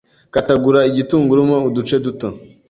Katagura igitunguru mo uduce duto